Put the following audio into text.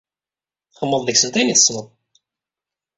Txedmeḍ deg-sent ayen i tessneḍ.